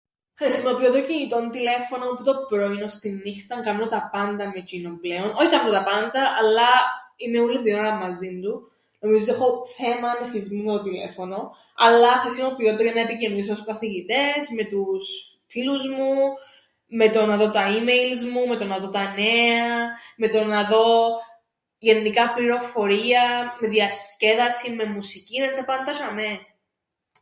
Χρησιμοποιώ το κινητόν τηλέφωνον που το πρωίν ώς την νύχταν, κάμνω τα πάντα με τžείνον πλέον, όι κάμνω τα πάντα αλλά είμαι ούλλην την ώραν μαζίν του, νομίζω έχω θέμαν εθισμού με το τηλέφωνον, αλλά χρησιμοποιώ το για να επικοινωνήσω με τους καθηγητές, με τους φίλους μου, με το να δω τα ίμεϊλς μου, με το να δω τα νέα, με το να δω γεννικά πληροφορίαν, με διασκέδασην, με μουσικήν, εν' τα πάντα τžειαμαί.